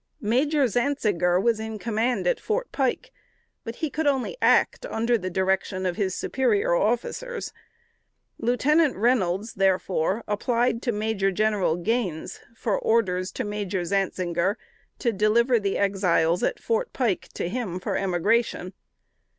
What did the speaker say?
Major Zantzinger was in command at Fort Pike; but he could only act under the direction of his superior officers. Lieutenant Reynolds, therefore, applied to Major General Gaines for orders to Major Zantzinger to deliver the Exiles at Fort Pike to him for emigration.